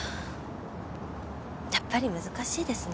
やっぱり難しいですね。